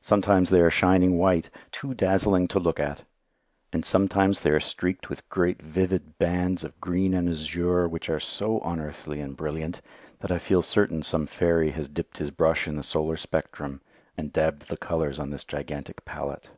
Sometimes they are shining white, too dazzling to look at; and sometimes they are streaked with great vivid bands of green and azure which are so unearthly and brilliant that I feel certain some fairy has dipped his brush in the solar spectrum and dabbed the colours on this gigantic palette.